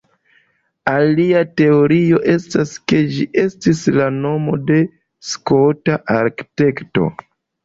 Alia teorio estas ke ĝi estis la nomo de Skota arkitekto.